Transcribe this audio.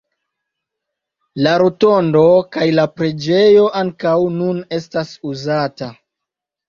La rotondo kaj la preĝejo ankaŭ nun estas uzata.